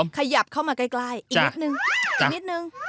ขยับเข้ามาใกล้อีกนิดนึง